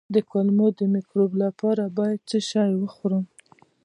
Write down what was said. د کولمو د مکروب لپاره باید څه شی وخورم؟